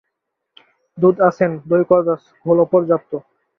দুধ আছেন, দই কদাচ, ঘোল অপর্যাপ্ত।